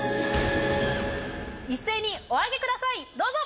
一斉にお上げくださいどうぞ！